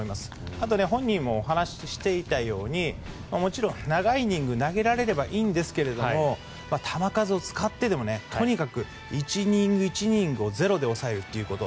あと、本人もお話ししていたようにもちろん長いイニング投げられればいいんですが球数を使ってでも、とにかく１イニング１イニングをゼロで抑えるということ。